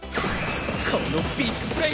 このビッグプレイ